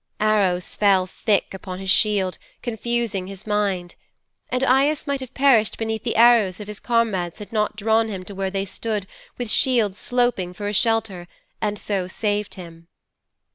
Arrows fell thick upon his shield, confusing his mind. And Aias might have perished beneath the arrows if his comrades had not drawn him to where they stood with shields sloping for a shelter, and so saved him.'